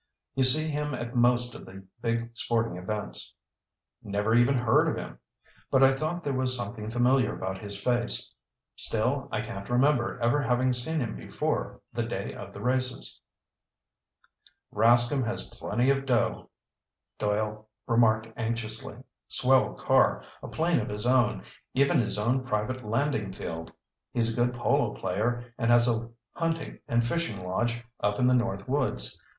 "You see him at most of the big sporting events." "Never even heard of him. But I thought there was something familiar about his face! Still, I can't remember ever having seen him before the day of the races." "Rascomb has plenty of dough," Doyle remarked enviously. "Swell car, a plane of his own, even his own private landing field. He's a good polo player and has a hunting and fishing lodge up in the north woods.